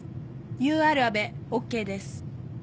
ＵＲ阿部ＯＫです。